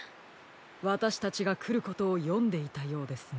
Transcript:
わたしたちがくることをよんでいたようですね。